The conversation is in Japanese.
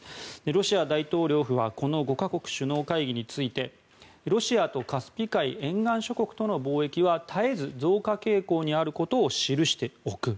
ロシア大統領府はこの５か国首脳会議についてロシアとカスピ海沿岸５か国との貿易は絶えず増加傾向にあることを記しておく。